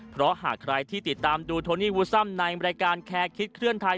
เพราะหากใครที่ติดตามดูโทนี่วูซัมในรายการแคร์คิดเคลื่อนไทย